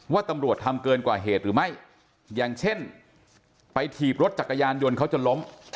ว่าตำรวจทำเกินกว่าเหตุหรือไม่อย่างเช่นไปถีบรถจักรยานยนต์เขาจนล้ม